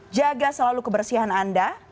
jaga selalu kebersihan anda